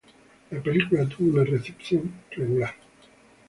La película tuvo una recepción regular.